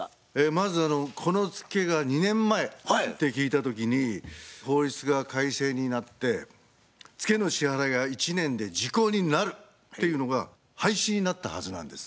まずこのツケが２年前って聞いた時に法律が改正になってツケの支払いが１年で時効になるっていうのが廃止になったはずなんです。